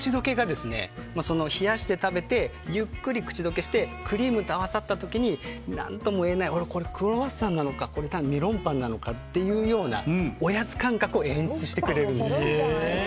冷やして食べてゆっくり口溶けしてクリームと合わさった時に何とも言えないクロワッサンなのかメロンパンなのかというようなおやつ感覚を演出してくれるんです。